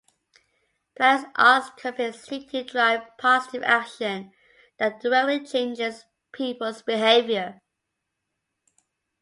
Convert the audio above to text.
Planet Ark's campaigns seek to drive positive action that directly changes people's behaviour.